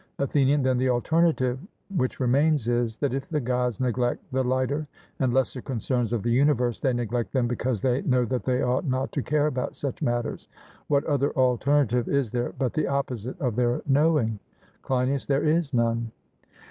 ATHENIAN: Then the alternative which remains is, that if the Gods neglect the lighter and lesser concerns of the universe, they neglect them because they know that they ought not to care about such matters what other alternative is there but the opposite of their knowing? CLEINIAS: There is none.